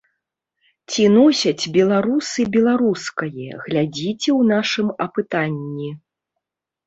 Ці носяць беларусы беларускае, глядзіце ў нашым апытанні.